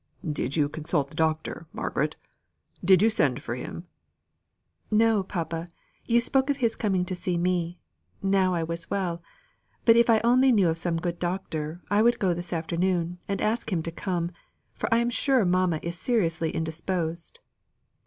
"Did you consult the doctor, Margaret? Did you send for him?" "No, papa, you spoke of his coming to see me. Now I was well. But if I only knew of some good doctor, I would go this afternoon, and ask him to come, for I am sure mamma is seriously indisposed."